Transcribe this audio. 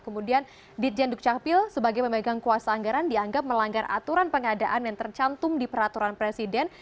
kemudian ditjen dukcapil sebagai pemegang kuasa anggaran dianggap melanggar aturan pengadaan yang tercantum di peraturan presiden